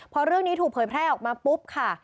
พอเรื่องนี้ถูกเผยแพร่ออกมาปุ๊บค่ะ